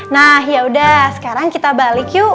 nah yaudah sekarang kita balik yuk